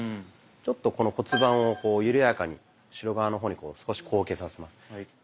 ちょっとこの骨盤を緩やかに後ろ側の方にこう少し後傾させます。